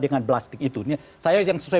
dengan plastik itu saya yang sesuai